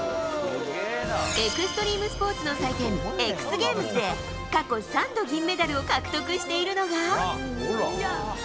エクストリームスポーツの祭典、ＸＧａｍｅｓで、過去３度銀メダルを獲得しているのが。